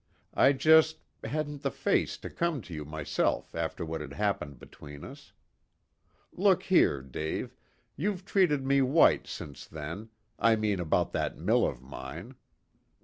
I just hadn't the face to come to you myself after what had happened between us. Look here, Dave, you've treated me 'white' since then I mean about that mill of mine.